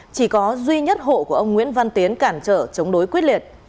chỉ có duy nhất hộ của ông nguyễn văn tiến cản trở chống đối quyết liệt